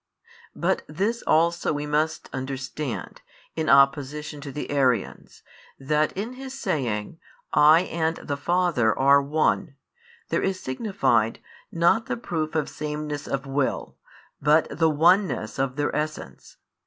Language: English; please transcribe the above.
But this also we must understand, in opposition to the Arians, that in His saying: I and the Father are One, there is signified, not the proof of sameness of will, but the Oneness of their Essence.